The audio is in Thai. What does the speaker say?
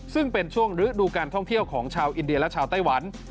ซึ่งเป็นช่วงฤดูการท่องเที่ยวของชาวอินเดียและชาวไต้หวัน